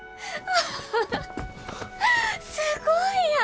すごいやん！